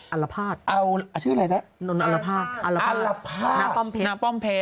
อัลภาพอัลภาพน้าป้อมเพชร